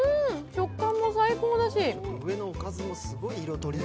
食感も最高だし。